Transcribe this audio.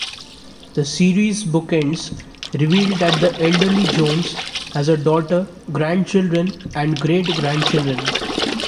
The series' bookends revealed that the elderly Jones has a daughter, grandchildren, and great-grandchildren.